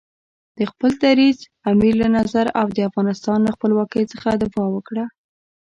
د خپل دریځ، امیر له نظر او د افغانستان له خپلواکۍ څخه دفاع وکړه.